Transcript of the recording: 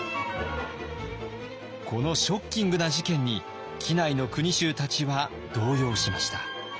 このショッキングな事件に畿内の国衆たちは動揺しました。